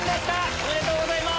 おめでとうございます！